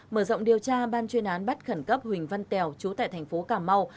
mở rộng điều tra ban chuyên án bắt khẩn cấp huỳnh văn tèo chú tại tp cà mau